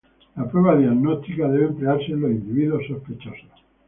La prueba diagnóstica debe emplearse en los individuos sospechosos.